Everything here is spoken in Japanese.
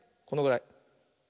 このぐらい。